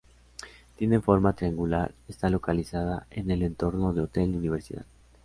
Tiene forma triangular y está localizada en el entorno del Hotel Universidad.